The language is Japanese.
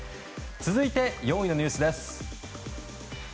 続いて４位のニュースです。